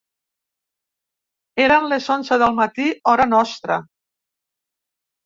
Eren les onze del matí, hora nostra.